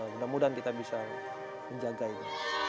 mudah mudahan kita bisa menjaga ini